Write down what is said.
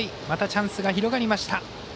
またチャンスが広がりました。